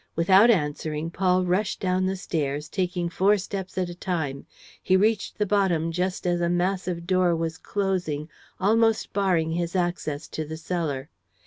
Without answering, Paul rushed down the stairs, taking four steps at a time. He reached the bottom just as a massive door was closing, almost barring his access to the cellar.